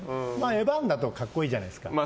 エヴァだと格好いいじゃないですか。